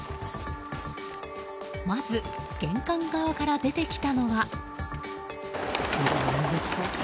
まず、玄関側から出てきたのは。